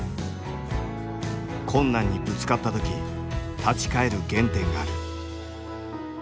困難にぶつかった時立ち返る原点がある。